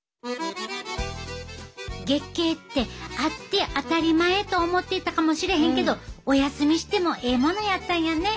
月経ってあって当たり前と思っていたかもしれへんけどお休みしてもええものやったんやね。